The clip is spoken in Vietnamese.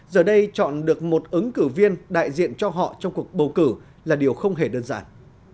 giờ đây chọn được một ứng cử viên đại diện cho họ trong cuộc bầu cử là điều không hề đơn giản